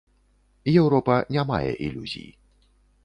Еўропа не мае ілюзій.